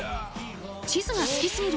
地図が好きすぎる